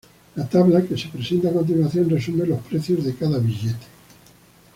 La tabla que se presenta a continuación resume los precios de cada billete.